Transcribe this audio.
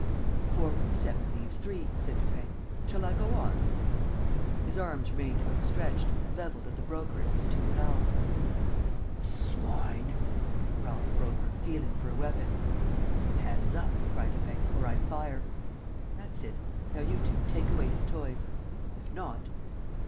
"Four from seven leaves three," said Lupin. "Shall I go on?" His arms remained outstretched, levelled at the Broker and his two pals. "You swine!" growled the Broker, feeling for a weapon. "Hands up," cried Lupin, "or I fire! ... That's it. ... Now, you two, take away his toys. ... If not